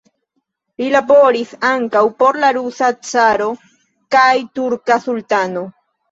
Li laboris ankaŭ por la rusa caro kaj turka sultano.